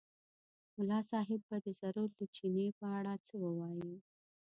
ملا صاحب به دی ضرور له چیني په اړه څه ووایي.